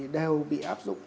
đều bị áp dụng